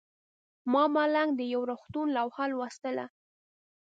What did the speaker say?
ما او ملنګ د یو روغتون لوحه لوستله.